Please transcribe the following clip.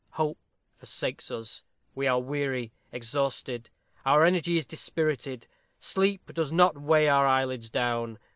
Hope forsakes us. We are weary, exhausted. Our energy is dispirited. Sleep does "not weigh our eyelids down."